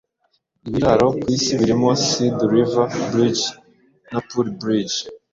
ibiraro ku Isi birimo Sidu River Bridge na Puli Bridge